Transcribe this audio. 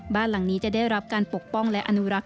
บ้านหลังนี้จะได้รับการปกป้องและอนุรักษ